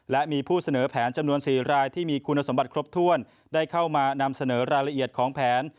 และมีผู้เสนอแผนจำนวน๔รายที่มีคุณสมบัติครบถ้วนได้เข้ามานำเสนอรายละเอียดของแผน